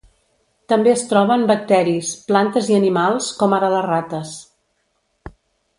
També es troba en bacteris, plantes i animals, com ara les rates.